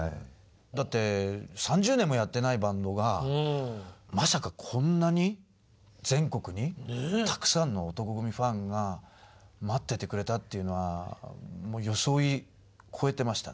だって３０年もやってないバンドがまさかこんなに全国にたくさんの男闘呼組ファンが待っててくれたっていうのはもう予想を超えてましたね。